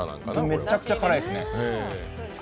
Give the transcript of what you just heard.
めちゃくちゃ辛いですね。